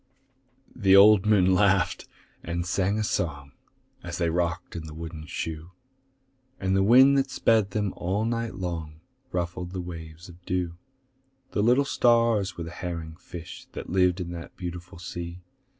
The old moon laughed and sang a song, As they rocked in the wooden shoe; And the wind that sped them all night long Ruffled the waves of dew; The little stars were the herring fish That lived in the beautiful sea.